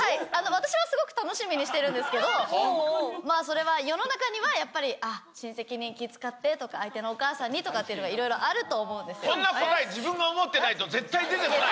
私はすごく楽しみにしてるんですけど、まあそれは、世の中にはやっぱり、あっ、親戚に気遣ってとか、相手にはお母さんにとかって、いろいろあるそんな答え、自分が思ってないと、絶対出てこない。